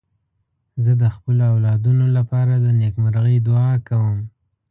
زه د خپلو اولادونو لپاره د نېکمرغۍ دعا کوم.